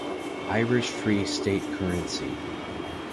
Irish Free State Currency.